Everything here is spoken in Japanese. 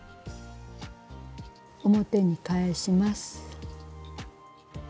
表に返します。